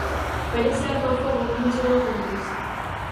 Pero ese alto ao fogo non chegou a cumprirse.